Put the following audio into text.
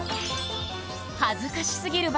恥ずかしすぎる罰